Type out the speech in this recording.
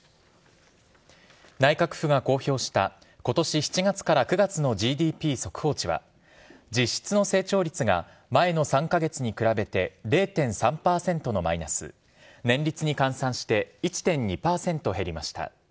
内閣府が公表したことし７月から９月のＧＤＰ速報値は、実質の成長率が前の３か月に比べて０．３％のマイナス、年率に換算して１．２％減りました。